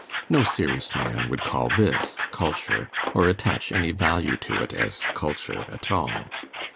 No serious man would call this culture, or attach any value to it, as culture, at all.